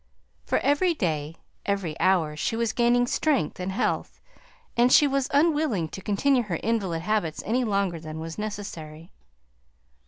For, every day, every hour, she was gaining strength and health, and she was unwilling to continue her invalid habits any longer than was necessary.